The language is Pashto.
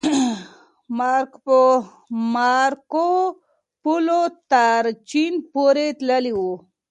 مارکوپولو تر چين پورې تللی و.